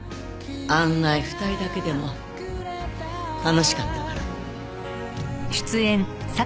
案外２人だけでも楽しかったから。